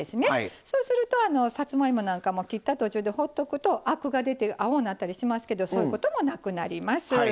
そうするとさつまいもなんかも切った途中でほっとくとアクが出て青になったりしますけどそういうこともなくなります。